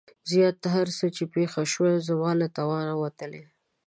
زياته هر څه چې پېښه شوه زما له توانه وتلې.